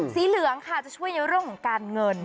สีเหลืองค่ะจะช่วยในเรื่องของการเงิน